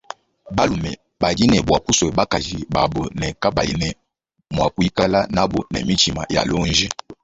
Balume badi ne bua kusua bakaji babu ne kabayi ne mua kuikala nabu ne mitshima ya lonji.